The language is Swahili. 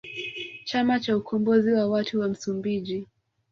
Chama cha ukombozi wa watu wa Msumbiji